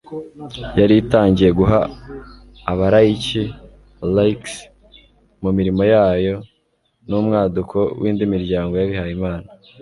yari itangiye guha abarayiki (laïcs) mu mirimo yayo, n'umwaduko w'indi miryango y'abihayimana